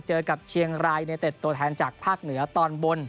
เจอกับเชียงรายในเต็ดตัวแทนจากภาคเหนือตอนบน